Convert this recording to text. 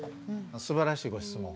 すばらしいご質問。